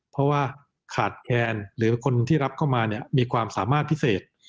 เพราะว่าขาดแคลนหรือคนที่รับเข้ามาเนี่ยมีความสามารถพิเศษ